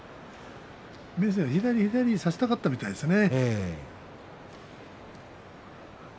明生は左差したかったみたいですね。